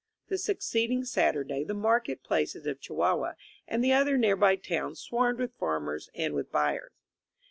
The succeeding Saturday the market places of Chihuahua and the other nearby towns swarmed with farmers and with buyers.